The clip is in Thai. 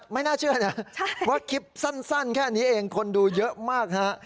ไม่น่าเชื่อนะว่าคลิปสั้นแค่นี้เองคนดูเยอะมากฮะ